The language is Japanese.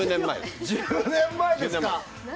１０年前です。